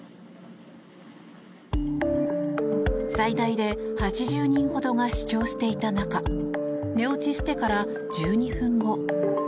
最大で８０人ほどが視聴していた中寝落ちしてから１２分後。